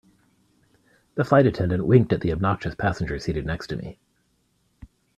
The flight attendant winked at the obnoxious passenger seated next to me.